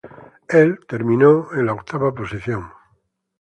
El terminó en la octava posición.